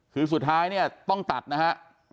คือสุดท้ายเนี่ยต้องตัดนะฮะ